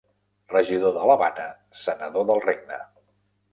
Regidor de l'Havana, Senador del Regne.